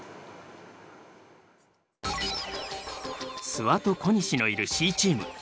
諏訪と小西のいるＣチーム。